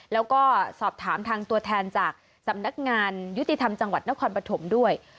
แล้วก็สอบถามทางตัวแทนจากสำนักงานยุติธรรมจังหวัดนครปฐมด้วย